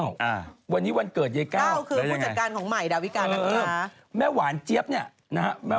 เก้าคือผู้จัดการของใหม่ดาร์วิการหนังไว้